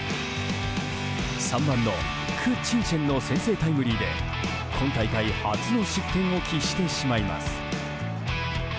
３番のク・チンシェンの先制タイムリーで今大会初の失点を喫してしまいます。